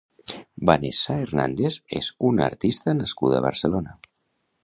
Vanessa Hernández és una artista nascuda a Barcelona.